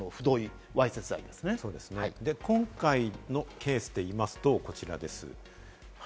今回のケースでいいますとこちらです。